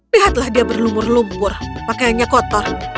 lihatlah dia berlumur lumur pakaiannya kotor